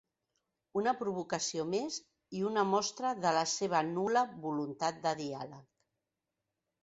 Una provocació més i una mostra de la seva nul·la voluntat de diàleg.